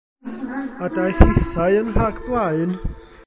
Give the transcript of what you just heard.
A daeth hithau yno rhag blaen.